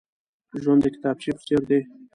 ژوند د کتابچې په څېر دی.